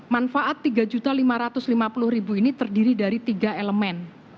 manfaat rp tiga lima ratus lima puluh ini terdiri dari tiga elemen